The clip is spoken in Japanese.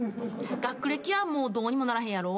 学歴はもうどうにもならへんやろ？